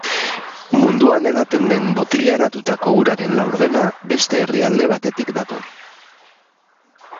Munduan edaten den botilaratutako uraren laurdena beste herrialde batetik dator.